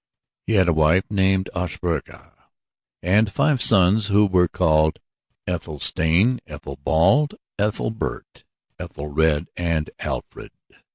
He had a wife named Osburgha, and five sons who were called Ethelstane, Ethelbald, Ethelbert, Ethelred and Alfred.